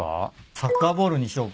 サッカーボールにしようか。